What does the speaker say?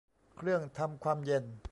เครื่องทำความเย็น